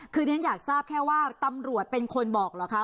คือเรียนอยากทราบแค่ว่าตำรวจเป็นคนบอกเหรอคะ